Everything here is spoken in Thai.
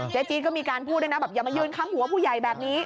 จี๊ก็มีการพูดด้วยนะบอกอย่ามายืนคำหัวผู้ใหญ่แบบนี้